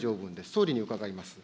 総理に伺います。